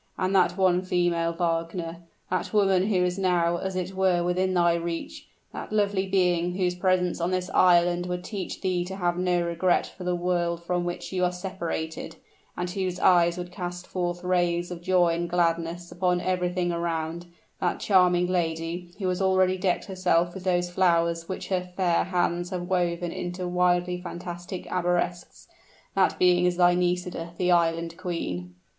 And that one female, Wagner that woman who is now as it were within thy reach that lovely being whose presence on this island would teach thee to have no regret for the world from which you are separated, and whose eyes would cast forth rays of joy and gladness upon everything around that charming lady, who has already decked herself with those flowers which her fair hands have woven into wildly fantastic arabesques, that being is thy Nisida, the Island Queen."